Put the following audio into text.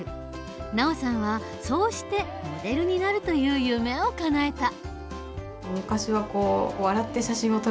ＮＡＯさんはそうしてモデルになるという夢をかなえた。